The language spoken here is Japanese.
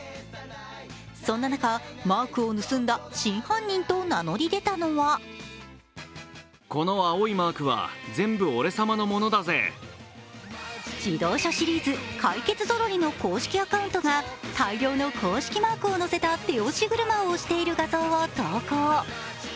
そんな中、マークを盗んだ真犯人と名乗り出たのは児童書シリーズ「かいけつゾロリ」の公式アカウントが大量の公式マークを載せた手押し車を押している画像を投稿。